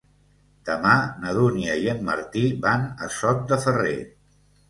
Demà na Dúnia i en Martí van a Sot de Ferrer.